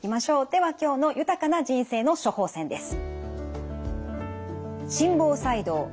では今日の「豊かな人生の処方せん」です。